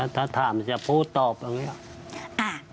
ถ้าถามจะพูดตอบตรงนี้